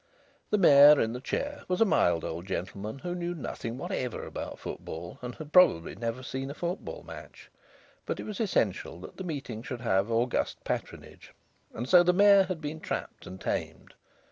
The Mayor, in the chair, was a mild old gentleman who knew nothing whatever about football and had probably never seen a football match; but it was essential that the meeting should have august patronage and so the Mayor had been trapped and tamed.